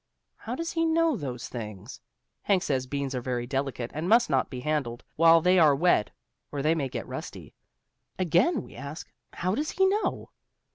How does he know those things? Hank says beans are very delicate and must not be handled while they are wet or they may get rusty. Again we ask, how does he know?